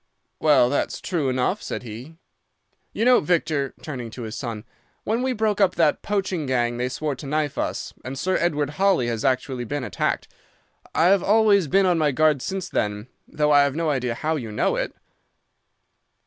"'Well, that's true enough,' said he. 'You know, Victor,' turning to his son, 'when we broke up that poaching gang, they swore to knife us, and Sir Edward Holly has actually been attacked. I've always been on my guard since then, though I have no idea how you know it.